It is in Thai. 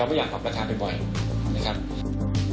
เราไม่อยากปรับราคาไปบ่อยนะครับ